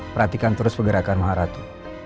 perhatikan terus pergerakan maharatu